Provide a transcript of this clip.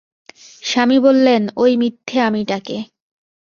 স্বামী বললেন, ঐ মিথ্যে-আমিটাকে।